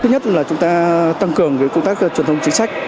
thứ nhất là chúng ta tăng cường công tác truyền thông chính sách